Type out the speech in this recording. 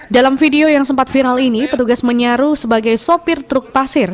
dalam video yang sempat viral ini petugas menyaru sebagai sopir truk pasir